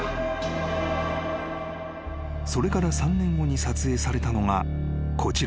［それから３年後に撮影されたのがこちらの映像］